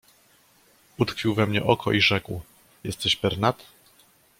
"Utkwił we mnie oko i rzekł: „Jesteś Pernat?"